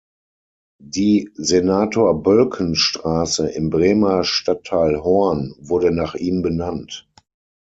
Die "Senator-Bölken-Straße" im Bremer Stadtteil Horn wurde nach ihm benannt.